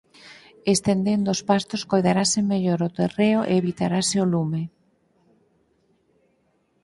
Estendendo os pastos coidarase mellor o terreo e evitarase o lume.